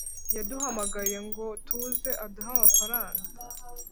yaduhamagaye ngo tuze aduhe amafaranga